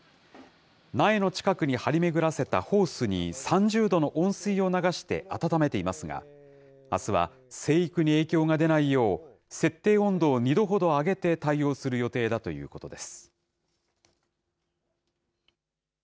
苗の近くに張り巡らせたホースに３０度の温水を流してあたためていますが、あすは生育に影響が出ないよう、設定温度を２度ほど上げて対応する予定だということです。